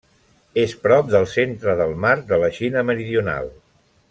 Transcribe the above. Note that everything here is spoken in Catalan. És prop del centre del Mar de la Xina Meridional.